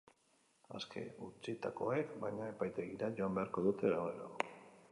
Aske utzitakoek, baina, epaitegira joan beharko dute egunero.